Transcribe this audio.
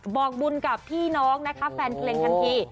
บอกบุญกับพี่น้องนะคะแฟนเพลงทันที